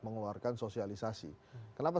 mengeluarkan sosialisasi kenapa